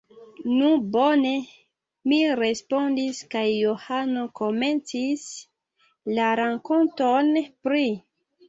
Nu, bone! mi respondis, kaj Johano komencis la rakonton pri: